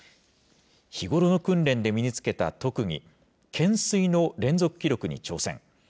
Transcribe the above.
日頃の訓練で身につけた特技、懸垂の連続記録に挑戦。